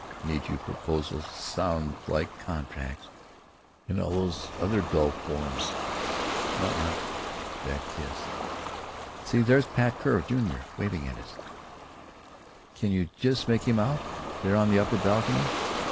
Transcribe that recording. "Need you? Proposals sound like contracts and all those other dull forms; not like—that kiss.... See! There's Pat Kerr, Jr., waving to us. You can just make him out, there on the upper balcony.